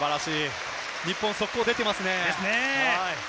日本、速攻が出ていますね。